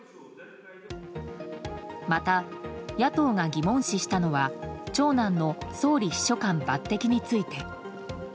また、野党が疑問視したのは長男の総理秘書官抜擢について。